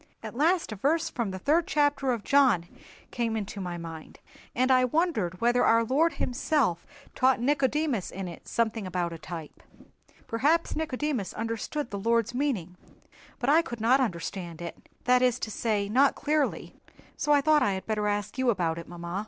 At last a verse from the third chapter of John came into my mind, and I wondered whether our Lord Himself taught Nicodemus in it something about a type. Perhaps Nicodemus understood the Lord's meaning, but I could not understand it—that is to say, not clearly—so I thought that I had better ask you about it, mamma."